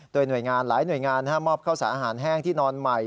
โดยหน่วยงานหลายหน่วยงานมอบเข้าสารอาหารแห้งที่นอนใหม่